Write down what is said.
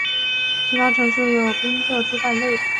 其他城市有宾特朱拜勒。